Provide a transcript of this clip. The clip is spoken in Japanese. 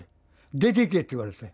「出ていけ」って言われたよ。